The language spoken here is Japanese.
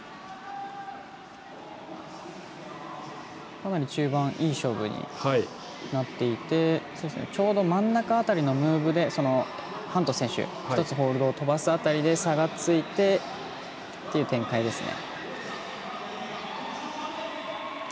かなり中盤いい勝負になっていてちょうど、真ん中辺りのムーブでハント選手１つホールドを飛ばす辺りで差がついてという展開ですね。